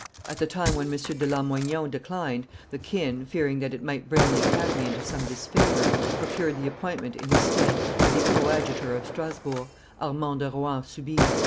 At the time when M. de Lamoignon declined, the kin, fearing that it might bring the Academy into some disfavor, procured the appointment, in his stead, of the Coadjutor of Strasbourg, Armand de Rohan Soubise.